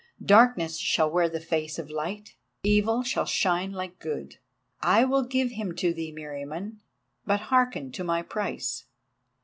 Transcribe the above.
Darkness shall wear the face of Light—Evil shall shine like Good. I will give him to thee, Meriamun, but, hearken to my price.